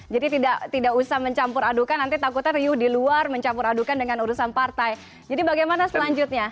jadi tidak usah mencampur adukan nanti takutnya riu di luar mencampur adukan dengan urusan partai jadi bagaimana selanjutnya